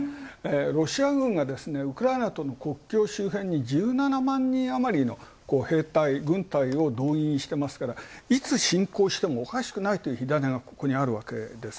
ロシア軍がウクライナの国境周辺に１７万人あまりの兵隊、軍隊を導入してますから、いつ侵攻してもおかしくないという火種が、ここにあるわけです。